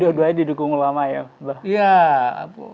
dua duanya didukung ulama ya